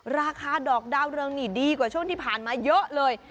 ราคาดอกดาวเรืองนี่ดีกว่าช่วงที่ผ่านมาเยอะเลย